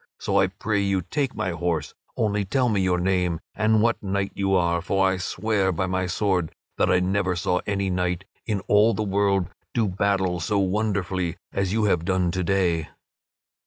So I pray you take my horse, only tell me your name and what knight you are; for I swear by my sword that I never saw any knight in all the world do battle so wonderfully as you have done to day."